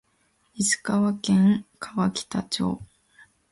石川県川北町